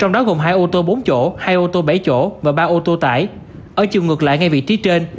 ở chiều ngược lại ngay vị trí trên